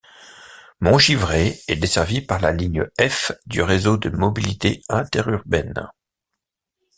Montgivray est desservie par la ligne F du Réseau de mobilité interurbaine.